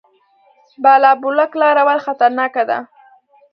بالابلوک لاره ولې خطرناکه ده؟